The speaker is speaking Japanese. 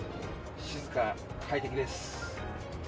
静かで快適です。